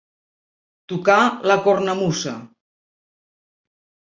Tocar la cornamusa.